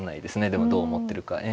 でもどう思ってるか。